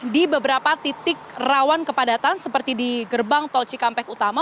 di beberapa titik rawan kepadatan seperti di gerbang tol cikampek utama